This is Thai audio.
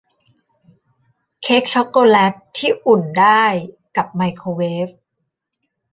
เค้กชอคโกแล็ตที่อุ่นได้กับไมโครเวฟ